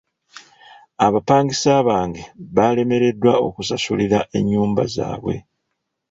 Abapangisa bange balemereddwa okusasulira ennyumba zaabwe.